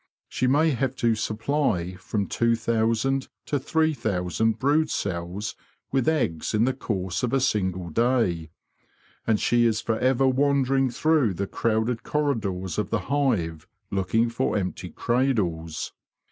She may have to supply from two thousand to three thousand brood cells with eggs in the course of a single day, and she is for ever wandering through the crowded corridors of the hive looking for empty cradles.